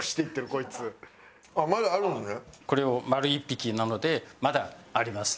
これを丸一匹なのでまだあります。